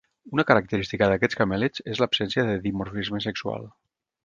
Una característica d'aquests camèlids és l'absència de dimorfisme sexual.